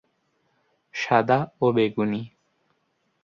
সাদা ও বেগুনি।